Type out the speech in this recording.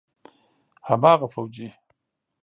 هماغه فوجي.